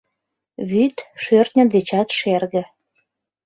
Вӱд шӧртньӧ дечат шерге.